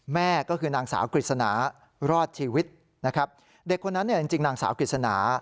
แม่ก็คือนางสาวกฤษณารอดชีวิตนะครับเด็กคนนั้นเนี่ยจริงนางสาวกฤษณา